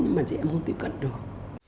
nhưng mà chị em không tiếp cận được